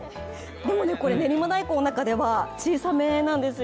でもこれ練馬大根の中では小さめなんですよ。